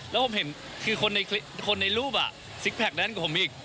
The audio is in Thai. แล้วผมเห็นคือคนในรูปซิกแพคนั้นกว่าผมอีก